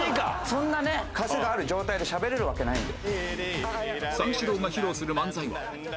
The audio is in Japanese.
そんなねかせがある状態でしゃべれるわけないんで。